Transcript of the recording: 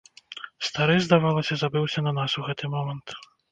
Стары, здавалася, забыўся на нас у гэты момант.